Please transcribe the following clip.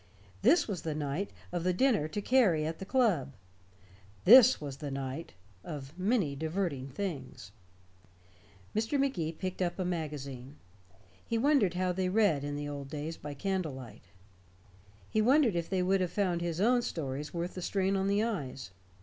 This was the night of the dinner to Carey at the club. This was the night of many diverting things. Mr. Magee picked up a magazine. He wondered how they read, in the old days, by candlelight. He wondered if they would have found his own stories worth the strain on the eyes.